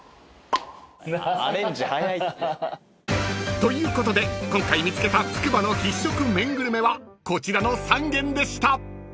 ［ということで今回見つけたつくばの必食・麺グルメはこちらの３軒でした］